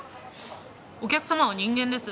お客様は人間です。